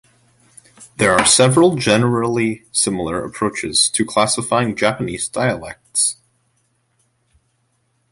There are several generally similar approaches to classifying Japanese dialects.